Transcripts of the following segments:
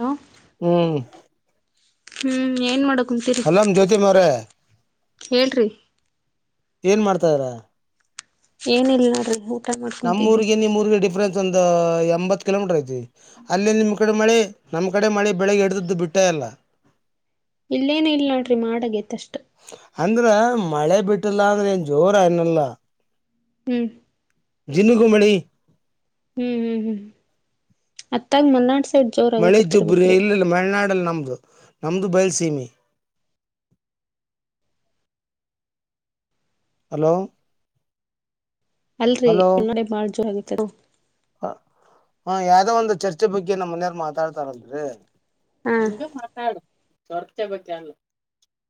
ಹ ಹ್ಮ್ ಹ್ಮ್ ಏನ್ ಮಾಡ ಹಲ್ ಜ್ಯೋತಿ ಮರೆ. ಏಳ್ರಿ. ಏನ್ ಮಾಡ್ತಾರ. ಏನ ಇಲ್ ನೋಡ್ರೀ ನಮ್ಮ್ೂಊರಿಗೆ ನಿಮ್ಮ್ಊರಿಗೆ ಡಿಫ್ರೆನ್ಸ್ ಒಂದು್ ಎಂಬತ್ ಕಿಲೋಮೀಟರ್ ಐತಿ ಅಲ್ಲಿ ನಿಮ್ ಕಡೆ ಮಳೆ ನಮ್ಮ ಕಡೆ ಮಳೆ ಬೆಳಗ್ಗೆಡ್ದದ್ದು ಬಿಟ್ಟ ಎಲ್ಲ ಅಲ್ಲ ಇಲ್ಲೇನ ಇಲ್ ನೋಡ್ರಿ ಮಾಡಗ ಎತ್ತಷ್ಟು ಅಂದ್ರ ಮಳೆ ಬಿಟ್ಟಿಲ್ಲ ಅಂದ್ರೆ ಏನ್ ಜೋರ ಏನಲ್ಲ ಹ್ಮ್ ಜನ್ನಗೂಮಿ ಹ್ಮ್ ಹ್ಮ್ ಹ್ಮ್್ಮ ಅತ್ತಾಗ ಮನ್ನನಾಡ್ಸ ಮಳೆ ಜುಬ್ರ ಇಲ್ಲಲ್ಲ ಮಳನಾಡಲ್ಲ ನಮ್ದು ನಮ್ದು ಬಯಲ್ ಸೀಮಿ ಹಲೋ ಅಲ್ರರಿ ಹಲೋ ಉಡೆ ಮಾಡಜೋ ಆಗ ಹ್ಮ ಯಾವ್ದೋ ಒಂದು ಚರ್ಚೆ ಬಗ್ಗೆ ನಮ್ಮ್ ಮನೆಯಾರ್ ಮಾತಾಡ್ತಾರಂದರಿ ಹಾ ಹಂಗ ಮಾತಾಡ ಚೊರ್ತೆೆ ಬಕಲ್ಲ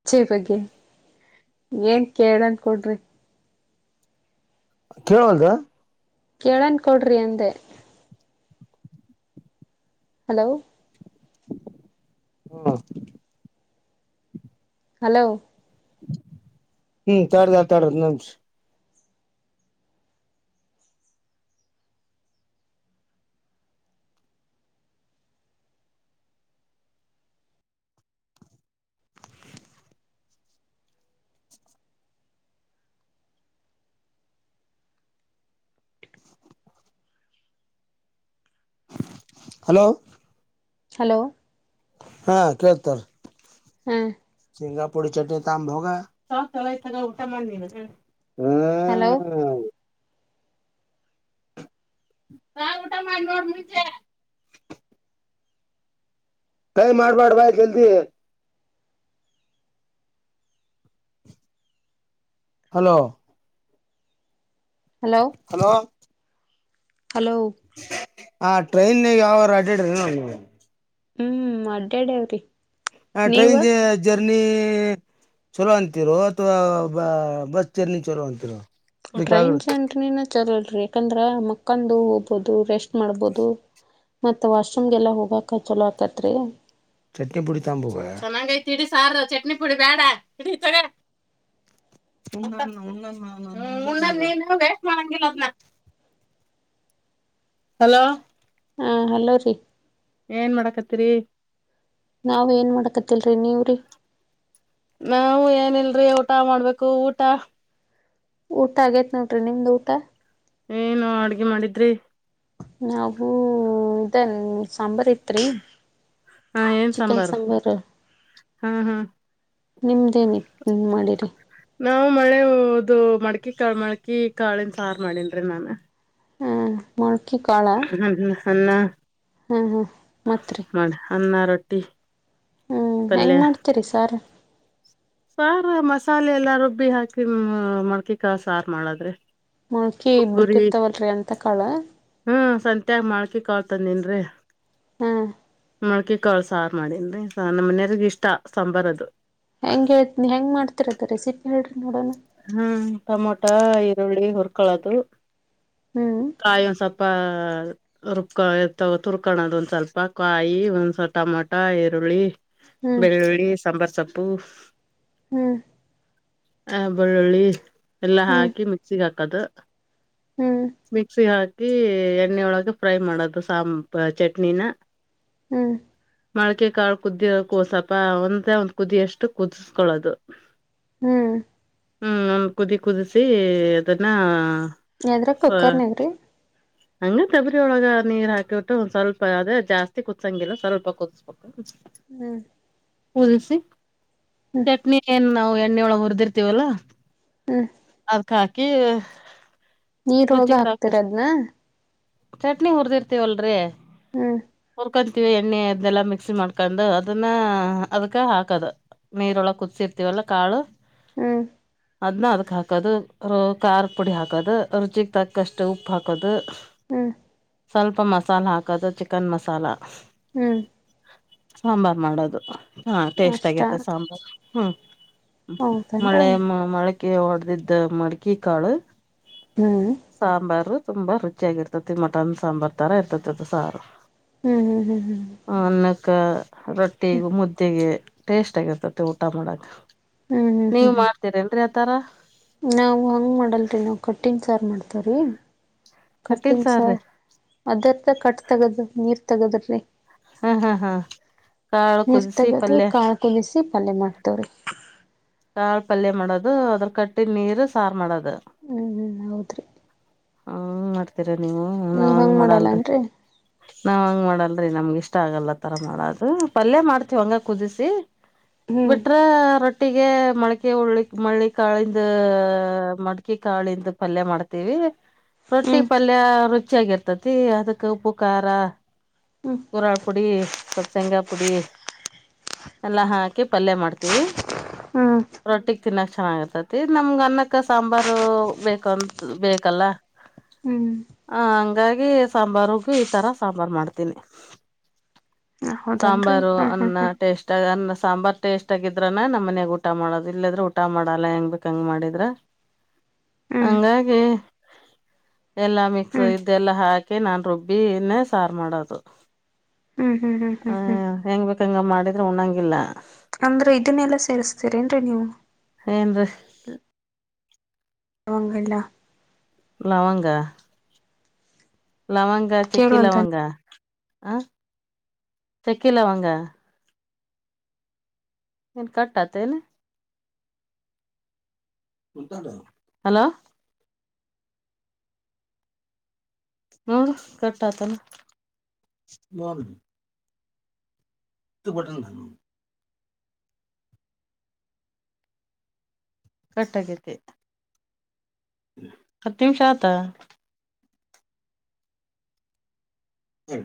ಅಚಿ ಬಗ್ಗೆ ಏನ್ ಕೇಳನ್ಕಡ್ರಿ ಕೇಳುವಂತ ಕೇಳನ್ ಕೊಡ್ರಿ ಅಂದೆ ಹಲೋ ಹ್ಮ ಹಲೋ ಹ್ಮ್ ತಡದ ತಡದ ನಮಸ ಹಲೋ ಹಲೋ ಹಾ ಕೇಳ್ತಾರ ಹಾ ಂಗಾ ಪೂಡಿ ಚಟ ತಂಬೋಗ ಹಲೋ ಹ ಗಊಟ ಮಾಡ ನಡ್ ಹೈ ಮಾಡಬಟ್ ಭಾಯ ಕಲ್ತ ಹಲೋ ಹಲೋ ಹಲೋ ಹ ಟ್ರೈನ್ ಯಾವ ಅಡ್ಡಡ್ರೆ ನ ಹ್ಮ್ ಅಡ್ಡ್ಯಾಡ ಅವಾವ್ರಿ ಹ ಟ್ರೈನ್ ನಿ ಚಲೋ ಅಂತಿರೋ ಅಥವಾ ಬ ಬಸ್ ಜರ್ನಿ ಚಲೋ ಅಂತಿರೋ ಟ್ರೈನ್ ಅದಕ್ಕಾಗ ಚ ಆಂಟನಿಿನ ಲ್ರಿ ಯಾಕಂದ್ರ ಮಕ್ಕಂದು ಹೋಗ್ಬಹುದು ರೆಸ್ಟ್ ಮಾಡ್ಬಹದು ಮತ್ತ ವಾಶ್ರೂಮ್ಗೆಲ್ಲಾ ಹೋಗಕ ಚಲೋ ಆಕತ್ರಿ ಚಟ್ನಿ ಪುಡಿ ತಂಬ ಚನ್ನಂಗ ಐತಿ ಇಡಿ ಸಾರು ಚಟ್ನಿ ಪುಡಿ ಬೇಡ ಇ ನೀ ವಸ್ಟ್ ಮಾಡಂಗಿಲ್ಲ ಹಲೋ ಹಾ ಹಲೋ ರೀ ಏನ್ ಮಾಡಾಕತ್ತರಿ ನಾವ ಏನ್ ಮಾಡಕತಿಲ್ರರಿ ನೀವ್ರಿ ನಾವವು ಏನಿಲ್ರಿ ಊಟ ಮಾಡ್ಬೇಕು ಊಟ ಊಟ ಆಗೇತ್ ನೋಡ್ರಿ ನಿಮ್ದ್ ಊಟ ಏನು ಅಡ್ಗೆ ಮಾಡಿದ್ರಿ ನಾವುೂ ಇದನ್ ಸಾಂಬಾರ್ ಇತ್ರಿ ಹಾ ಏನ್ ಚಿಕನ್ ಸಾಂಬಾರ ಸಾಂಬಾರ್ ಹ್ಮ ಹ್ಮ್ ನಿಮ್ದೇನಿ ಮಾಡಿರಿ ನಾವವು ಮಳೆ ಮಡ್ಕಿ ಕ ಮಡ್ಕಿ ಕಾಳನ್ ಸಾರು ಮಾಡನ್್ರಿ ನನ್ ಹ ಮೊಳಕೆಕಾಳ ಅನ್ನ ಹ್ಮ ಹಾ ಮತ್ರಿ ಅನ್ನಾರೊಟ್ಟಿ ಹ್ಮ್ ಹೆಂಗ್ ಮಾಡ್ತೀರಿ ಸಾರ್ ಸಾರ ಮಸಾಲೆ ಎಲ್ಲಾ ರುಬ್ಬಿ ಹಾಕಿ ಮಡ್ಕಿಕ ಸಾರು ಮಾಡದ್ರೆ ಮಳ್ಕಿ ಬಿಟ್ಟಿರ್ತವಲ್ರಿ ಅಂತ ಕಾಳ ಹ್ಮ್ ಸತ್ಯಾಗ ಮಾಡ್ಕಿ ಕಾಳ್ತನ್ನ್ರರಿ ಹಾ ಮೊಳ್ಕೆ ಕಾಳ ಸಾರು ಮಾಡೇನ್ರಿ ನಮ್ಮ ಮನೆಯರಿಗ ಇಷ್ಟ ಸಾಂಬಾರ್ ಅದು ಹೆಂಗ ಹೇ ಹೆಂಗ್ ಮಾಡ್ತಿರದ ರೆಸಿಪಿ ಹೇಳ್ರಿ ನೋಡೋಣ ಹ್ಮ್ ಟಮೊಟ ಈರುಳ್ಳಿ ಹುರ್ಕಳದು ಹ್ಮ್ ಕಾಯಿ ಒಂದ ಸಪ್ಪ ಸ್ ರುಬ್ಕ ತಗುರ್ಕಳದು ಒಂದ ಸ್ವಲ್ಪ ಕಾಯಿ ಒಂದ್ಸಲ್ ಟಮಾಟ ಈರುಳ್ಳಿ ಹ್ಮ್ ಬೆಳ್ಳುಳ್ಳಿ ಸಾಂಬಾರ ಸೊಪ್ಪು ಹ್ಮ್ ಆ ಬೆಳ್ಳುಳ್ಳಿ ಎಲ್ಲಾ ಹ್ಮ್ ಹ್ಮ್ ಹಾಕಿ ಮಿಕ್ಸಿಗೆ ಹಾಕದು ಹ್ಮ್ ಮಿಕ್ಸಿ ಹಾಕಿ ಎಣ್ಣೆೊಳಗೆ ಫ್ರೈ ಮಾಡೋದು ಸಾಂಬ ಚಟ್ನಿನ ಹ್ಮ್ ಮೊಕೆ ಕಾಳು ಕುದ್ದಿಕ ಸ್ಲ್ಪ ಒಂದ ಒಂದ್ ಕುದ್ದಿ ಅಷ್ಟು ಕುದಿಸಕೊಳ್ಳೋದು ಹ್ಮ್ ಹ್ಮ್ ಒ ಕುದಿ ಕುದಿಸಿ ಅದನ್ನ ಎದ್ರ ಕುಕ್ಕರ್ನದುರ ಹಂಗ ತಬರಿ ಒಳಗ ನೀರ್ ಹಾಕಿಬಟ್ಟು ಒಂದ ಸ್ವಲ್ಪ ಅದೇ ಜಾಸ್ತಿ ಕುದಸಂಗಿಲ್ಲ ಸ್ವಲ್ಪ ಕುದಬಿಟ್ಟು ಹ್ಮ್ ಹುಲ್ಸಿ ಹ್ಮ್ ಚಟ್ನಿ ಏನ್ ನಾವವು ಎಣ್ಣೆಯ ಒಳಗೆ ಹುರಿದಿರ್ತೀವಲ್ಲ ಹ್ಮ್ ಅದ್ಕ್ ಹಾಕಿ ನೀರೊಳಗ ಮುರುಚಿಕ್ ತಗ ಕಷ್ಟ ಹಾಕ್ತಿರದ್ನ ಚಟ್ನಿ ಹುರ್ದಿರ್ತೀವಲ್ರರಿ ಹ್ಮ್ ಉಕೊಂತೀವಿ ಎಣ್ಣೆ ಇದೆಲ್ಲ ಮಿಕ್ಸಿ ಮಾಡ್ಕೊಂಡು ಅದನ್ನ ಅದಕ ಹಾಕದು ನೀರೊಳ ಕುದಸಿರ್ತೀವಲ್ಲಾ ಕಾಳು ಹ್ಮ್ ಅದನ್ನ ಅದಕ್ಕೆ ಹಾಕೋದು ಖಾರ ಪುಡಿ ಹಾಕೋದು ರುಚಿಗೆ ತಕ್ಕಷ್ಟು ಉಪ್ಪು ಹಾಕೋದು ಹ್ಮ ಸ್ವಲ್ಪ ಮಸಾಲೆ ಹಾಕದು ಚಿಕನ್ ಮಸಾಲ ಹ್ಮ್ ಸಾಂಬಾರ್ ಮಾಡೋದು ಹಾ ಟೇಸ್ಟ್ ಅಷ್ಟ ಆಗಿರ್ತದೆ ಸಾಂಬಾರ್ ಹ್ಮ್ ಹೌದನ್ರಿ ಮಳೆ ಮಳಕ ಹೊಡದಿದ್ದ ಮಡಕೆ ಕಾಳ ಹ್ಮ್ ಸಾಂಬಾರು ತುಂಬಾ ರುಚಿಯಾಗಿ ಇರ್ತತಿ ಮಟನ್ ಸಾಂಬಾರ್ ತರ ಇರ್ತತಿತಿ ಸಾರು ಹ್ಮ್ ಹ್ಮ್ ಹ್ಮ್ ಹ್ಮ್ ಕ್ಕ ರೊಟ್ಟಿ ಮುದ್ದಿಗೆ ಟೇಸ್ಟ್ ಆಗಿರ್ತತಿ ಊಟ ಮಾಡಕ್ ನೀವ ಮಾಡ್ತೀರ ನ್ರರಿ ಆತರ ನಾವವು ಹಂಗ್ ಮಾಡಲ್ರಿ ನಾವ್ ಕಠಿನ್ ಸಾರ ಮಾಡ್ತವ್ರಿ ಕಟ್ಟಿನ ಕಟ್ಟಿನ್ ಸಾರ್ರೀ ಸಾರ್ ಅದರ್ದ ಕಟ್ ತಗೋದ ನೀರ್ ತಗದ್ರಿ ಹ್ಮ್ ಹ್ಮ್ ಹ್ಮ್ ನೀರ್ ತಗದು ಕಾಳ ಕಂಬಿಸಿ ಪಲ್ಯ ಮಾಡ್ತವ್ರಿ ಕಾಳ್ ಪಲ್ಯ ಮಾಡೋದು ಅದ್ರ ಕಟ್ಟಿ ನೀರು ಸಾರು ಮಾಡೋದು ಹ್ಮ್ ಹ್ಮ ಹೌದ್ರಿ ಹಂಗ್ ಮಾಡ್ತೀರ ನೀವು ನಾ ನೀವ್ ಹಂಗ್ ಮಾಡಲ್ರಿ ಮಾಡಲ್ಲನ್ರಿ ನಾವ್ ಹಂಗ ಮಾಡಲ್ರರಿ ನಮ್ಗ ಇಷ್ಟ ಆಗಲ್ಲತರ ಮಾಡದು ಪಲ್ಯ ಮಾಡ್ತಿವ ಹಂಗ ಕುದಿಸಿ ಹ್ಮ್ ಬಿಟ್ರೆ ರೊಟ್ಟ ಹಾಗಗೆ ಮಡಕೆ ಉಳ್ಳಿ ಮಳ್ಳಿ ಕಾಳಿಂದ ಮಡ್ಕೆ ಕಾಳಿಂದ ಪಲ್ಯ ಮಾಡ್ತೇವಿ ರೊಟ್ಟಿ ಹ್ಮ್ ಪಲ್ಯ ರುಚಿಯಾಗಿರ್ತತಿ ಅದಕ್ ಉಪು ಖಾರ ಹ್ಮ್ ಕುರಳ ಪುಡಿ ಸ್ವಲ್ಪ ಶೇಂಗಾ ಪುಡಿ ಎಲ್ಲಾ ಹಾಕಿ ಪಲ್ಯ ಮಾಡ್ತೀವಿ ಹ್ಮ್ ತಿನ್ನಾಕ್ ಚೆನ್ನಾಗಾಗಿರ್ತತಿ ನಮ್ಗ ಅನ್ನಕ್ಕ ಸಾಂಬಾರು ಬೇಕಂತ ಬೇಕಲ್ಲ ಹ್ಮ್ ಹ ಹಂಗಾಗಿ ಸಾಂಬಾರಗು ಈ ತರ ಸಾಂಬಾರ ಮಾಡ್ತೀನಿ ಹ ಹೌದೇನ್ರಿ ಸಾಂಬಾರು ಹಾ ಹಾ ಅನ್ನ ಹಾ ಟೇಸ್ಟ್ ಆ ಅನ್ನ ಸಾಂಬಾರ್ ಟೇಸ್ಟ್ ಆಗಿದ್ರಾನ ನಮ್ಮ ಮನ್ಯಾಗ ಊಟ ಮಾಡೋದು ಇಲ್ಲದ್ರೆ ಊಟ ಮಾಡಲ್ಲ ಹೆಂಗ ಬೇಕಕ್ ಹಂಗ ಮಾಡಿದ್ರ ಹ್ಮ್ ಹಂಗಾಗಿ ಎಲ್ಲಾ ಮಿಕ್ಸ್ ಹ್ಮ್ ಇದೆಲ್ಲ ಹಾಕಿ ನಾರುಬ್ಬಿನೇ ಸಾರು ಮಾಡೋದು ಹ್ಮ್ ಹ್ಮ್ ಹ್ಮ್ ಹ ಹ್ಮ್ ಹ್ಮ್ ಹೆಂಗ್ ಬೇಕಂಗ ಮಾಡಿದ್ರೆ ಉಣಂಗಿಲ್ಲ ಅಂದ್ರೆ ಇದನ್ನೆಲ್ಲಾ ಸೇರ್ಸ್ತೀರೇನ್ರೀ ನೀವು ಹೇಂದು ಲವಂಗಲ್ಲ ಲವಂಗ ಲವಂಗ ಚೆಕ್ಕಿ ಕೇಳೋಲ್ದ ಲವಂಗ ಹ ಚಕ್ಕಿ ಲವಂಗ ಹ ಕಾಟಾ ತನು ಹಲೋ ಹ ಕಟ್ಟಾ ತನ್ನ ಇ ಬಟ್ಟನ್ ಹ ಕಟ್ಟಗೈತೆ ಹತ್ತು ನಿಮಿಷ ಆತ ಹ್ಮ